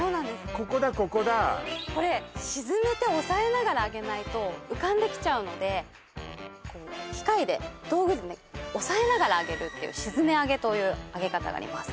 ここだここだこれ沈めて押さえながら揚げないと浮かんできちゃうのでこう機械で道具でね押さえながら揚げるっていう沈め揚げという揚げ方があります